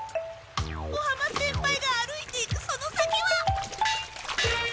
尾浜先輩が歩いていくその先は。